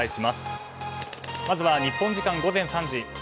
まずは日本時間午前３時。